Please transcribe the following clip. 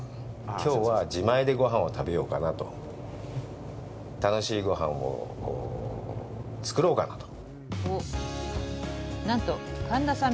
今日は自前でごはんを食べようかなと楽しいごはんを作ろうかなとなんと神田さん